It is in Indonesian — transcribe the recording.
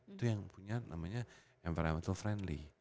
itu yang punya namanya environmental friendly